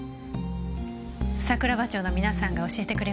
桜庭町の皆さんが教えてくれました。